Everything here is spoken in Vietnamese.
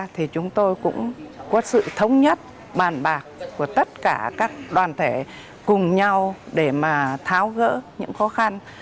thì chúng tôi cũng có sự thống nhất bàn bạc của tất cả các đoàn thể cùng nhau để mà tháo gỡ những khó khăn